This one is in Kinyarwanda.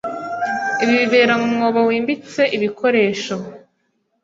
Ibi bibera mu mwobo wimbitse Ibikoresho